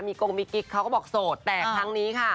มีกงมีกิ๊กเขาก็บอกโสดแต่ครั้งนี้ค่ะ